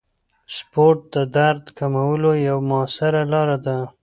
سپورت د درد کمولو یوه موثره لاره ده.